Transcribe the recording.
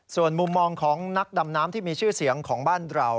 ส่วนมุมมองของนักดำน้ำที่มีชื่อเสียงของบ้านเรา